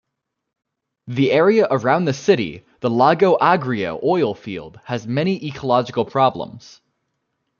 The area around the city, the Lago Agrio oil field, has many ecological problems.